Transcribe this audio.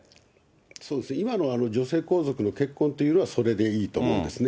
そうですね、今の女性皇族の結婚というのはそれでいいと思うんですね。